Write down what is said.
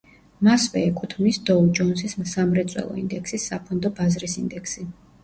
მასვე ეკუთვნის დოუ ჯონსის სამრეწველო ინდექსის საფონდო ბაზრის ინდექსი.